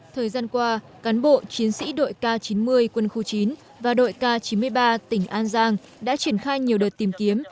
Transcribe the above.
thời gian qua cán bộ chiến sĩ đội k chín mươi quân khu chín và đội k chín mươi ba tỉnh an giang đã triển khai nhiều đợt tìm kiếm